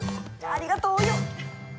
ありがとうお葉！